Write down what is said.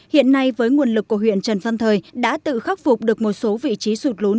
hiện nay với nguồn lực của huyện trần văn thời đã tự khắc phục được một số vị trí sụt lún